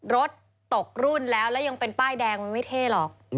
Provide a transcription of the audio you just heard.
รถตกรุ่นแล้วแล้วยังเป็นป้ายแดงมันไม่เท่หรอก